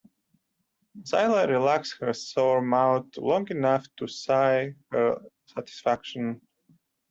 Zilla relaxed her sour mouth long enough to sigh her satisfaction.